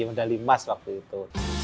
medali emas waktu itu